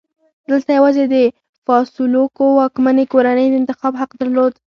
دلته یوازې د فاسولوکو واکمنې کورنۍ د انتخاب حق درلود.